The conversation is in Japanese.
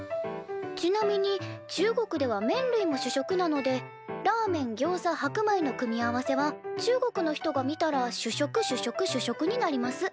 「ちなみに中国ではめん類も主食なのでラーメンギョウザ白米の組み合わせは中国の人が見たら主食主食主食になります」。